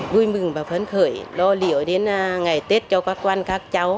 vui mừng và phấn khởi lo liệu đến ngày tết cho các quan các cháu